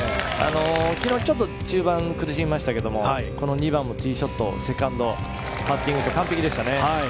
昨日、ちょっと中盤苦しみましたけど２番のティーショットセカンド、パッティングと完璧でしたね。